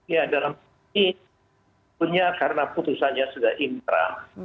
ya dalam hal ini tentunya karena putusannya sudah impram